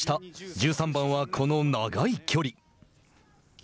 １３番はこの長い距離。